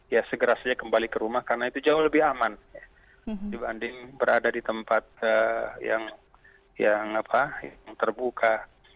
ya segera saja kembali ke rumah karena itu jauh lebih aman dibanding berada di tempat yang terbuka